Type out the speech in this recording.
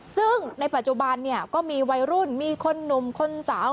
ซึ่งในปัจจุบันเนี่ยก็มีวัยรุ่นมีคนหนุ่มคนสาว